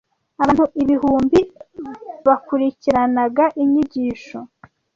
Abantu ibihumbi bakurikiranaga inyigisho,